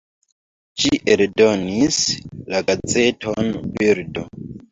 Ĝi eldonis la gazeton "Birdo".